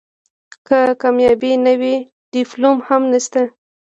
که کامیابي نه وي ډیپلوم هم نشته .